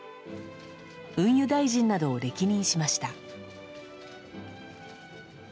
運輸大臣などを歴任しました。